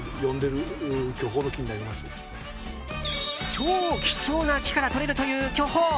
超貴重な木からとれるという巨峰。